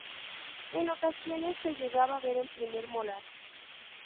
En ocasiones se llega a ver el primer molar.